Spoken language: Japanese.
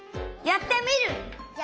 やってみる！